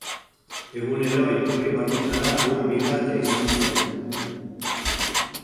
Egunero iturri batetara ur bila jaisten zen.